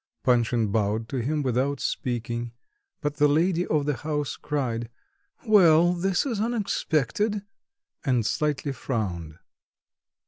Panshin bowed to him without speaking, but the lady of the house cried, "Well, this is unexpected!" and slightly frowned.